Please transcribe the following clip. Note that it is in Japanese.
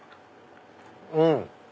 うん！